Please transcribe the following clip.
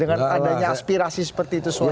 dengan adanya aspirasi seperti itu semua